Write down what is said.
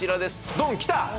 ドンきた！